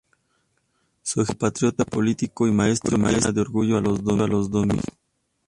Su ejemplo como patriota, político y maestro llena de orgullo a los dominicanos.